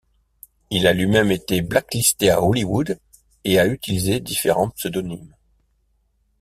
Il a lui-même été blacklisté à Hollywood, et a utilisé différents pseudonymes.